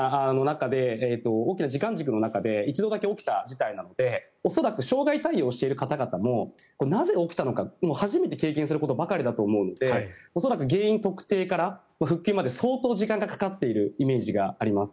大きな時間軸の中で一度だけ起きたことなので恐らく、障害対応している方々もなぜ起きたのか初めて経験することばかりだと思うので原因究明から復旧まで相当時間がかかっているイメージがあります。